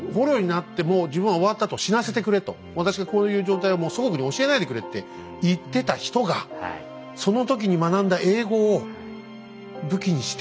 私のこういう状態を祖国に教えないでくれって言ってた人がその時に学んだ英語を武器にして。